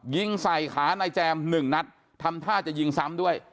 ยิงใส่ขานายแจมหนึ่งนัดทำท่าจะยิงซ้ำด้วย